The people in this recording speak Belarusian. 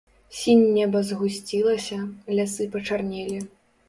Сінь неба згусцілася, лясы пачарнелі.